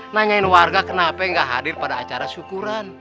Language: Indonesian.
nanyain warga kenapa gak hadir pada acara syukuran